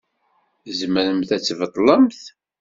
Tzemremt ad tbeṭlemt?